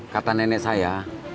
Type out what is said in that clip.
kata nenek saya